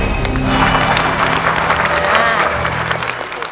เย็มมาก